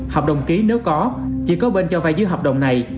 hợp đồng ký nếu có chỉ có bên cho vai dưới hợp đồng này